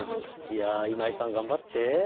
いや今井さん頑張って。